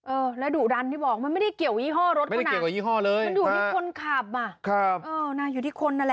เออและดุดันที่บอกมันไม่ได้เกี่ยวยี่ห้อรถ